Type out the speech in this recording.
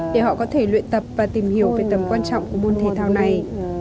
để họ có thể luyện tập và tìm hiểu về tầm quan trọng của môn thể thao này